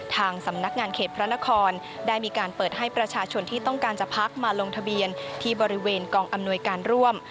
ทางสำนักงานเขตพระนครได้มีการเปิดให้ประชาชนที่ต้องการจะพักมาลงทะเบียนที่บริเวณกองอำนวยการร่วม